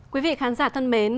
quý vị khán giả thân mến